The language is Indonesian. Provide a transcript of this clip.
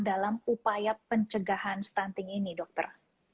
dalam upaya pencegahan stunting ini dokter